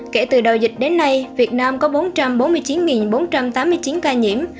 kể từ đầu dịch đến nay việt nam có bốn trăm bốn mươi chín bốn trăm tám mươi chín ca nhiễm